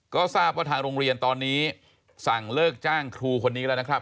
ก็ทราบว่าทางโรงเรียนตอนนี้สั่งเลิกจ้างครูคนนี้แล้วนะครับ